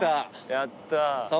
やった。